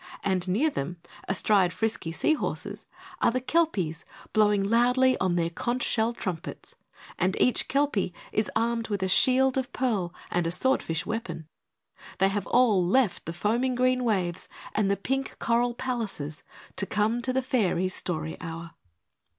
And near them, astride frisky sea horses, are the Kelpies, blowing loudly on their conch shell trumpets. And each Kelpie is armed with a shield of pearl and a sword fish weapon. They have all left the foaming green waves and the pink coral palaces to come to the Fairies' Story Hour.